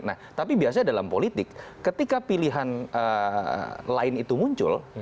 nah tapi biasanya dalam politik ketika pilihan lain itu muncul